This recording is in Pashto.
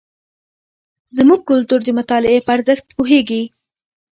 زموږ کلتور د مطالعې په ارزښت پوهیږي.